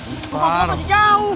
gak mau gak mau masih jauh